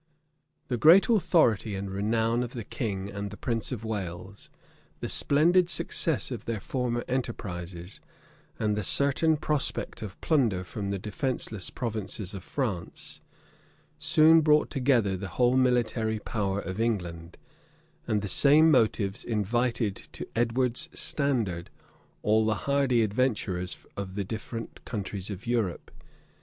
The great authority and renown of the king and the prince of Wales, the splendid success of their former enterprises, and the certain prospect of plunder from the defenceless provinces of France, soon brought together the whole military power of England; and the same motives invited to Edward's standard all the hardy adventurers of the different countries of Europe.